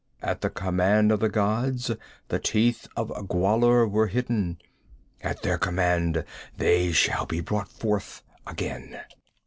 At the command of the gods the teeth of Gwahlur were hidden; at their command they shall be brought forth again.